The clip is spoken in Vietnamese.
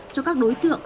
cho các đối tượng